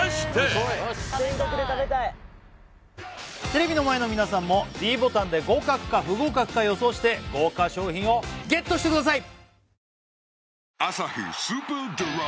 テレビの前の皆さんもｄボタンで合格か不合格か予想して豪華賞品をＧＥＴしてください！